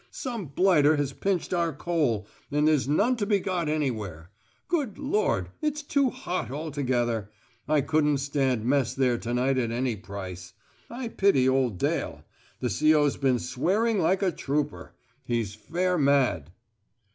Some blighter has pinched our coal, and there's none to be got anywhere. Good Lord, it's too hot altogether. I couldn't stand Mess there to night at any price. I pity old Dale. The C.O.'s been swearing like a trooper! He's fair mad."